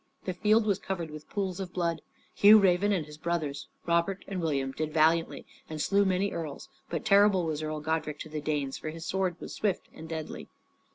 The field was covered with pools of blood. Hugh Raven and his brothers, Robert and William, did valiantly and slew many earls; but terrible was Earl Godrich to the Danes, for his sword was swift and deadly.